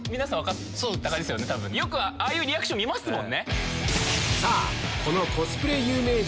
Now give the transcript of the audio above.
よくああいうリアクション見ますもん。